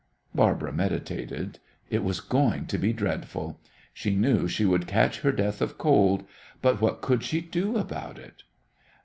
Barbara meditated. It was going to be dreadful. She knew she would catch her death of cold. But what could she do about it?